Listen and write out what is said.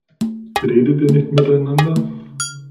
Redet ihr nicht miteinander?